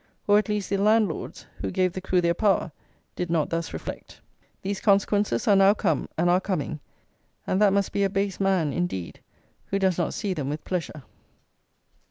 Or, at least, the landlords, who gave the crew their power, did not thus reflect. These consequences are now come, and are coming; and that must be a base man indeed who does not see them with pleasure.